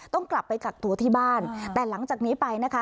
ต้องกลับไปกักตัวที่บ้านแต่หลังจากนี้ไปนะคะ